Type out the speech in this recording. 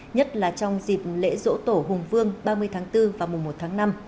nhất là trong dịp lễ dỗ tổ hùng vương ba mươi tháng bốn và mùa một tháng năm